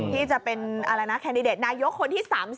ที่จะเป็นอะไรนะแคนดิเดตนายกคนที่๓๐